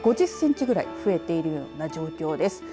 ５０センチぐらい増えているような状況です。